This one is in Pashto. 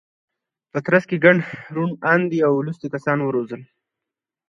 په ترڅ کې یې ګڼ روڼ اندي او لوستي کسان وځورول.